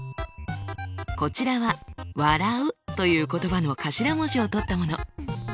こちらはｗａｒａｕという言葉の頭文字をとったもの。